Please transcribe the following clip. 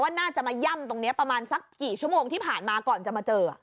น่าจะมาย่ำตรงนี้ประมาณสักกี่ชั่วโมงที่ผ่านมาก่อนจะมาเจอ